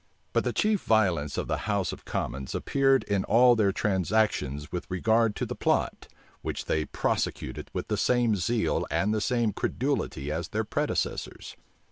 But the chief violence of the house of commons appeared in all their transactions with regard to the plot, which they prosecuted with the same zeal and the same credulity as their predecessors.